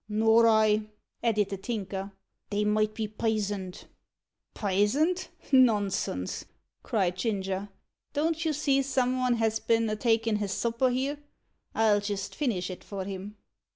"Nor I," added the Tinker; "they may be pisoned." "Pisoned nonsense!" cried Ginger; "don't you see some von has been a takin' his supper here? I'll jist finish it for him."